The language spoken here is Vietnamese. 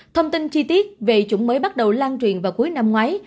thông tin chi tiết về chủng mới bắt đầu lan truyền vào cuối năm ngoái